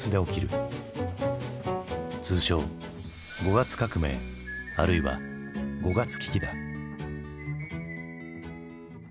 通称「五月革命」あるいは「五月危機」だ。